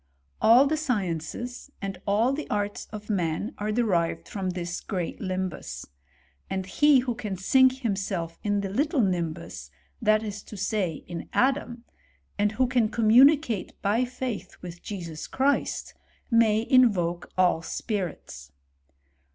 All the sci« ences, and all the arts of man, are derived from this, great limbus; and he who can sink himself in the little limhus, that is to say, in Adam, and who can commu nicate by faith with Jesus Christ, may invoke all spirits.